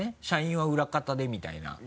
社員は裏方でみたいな。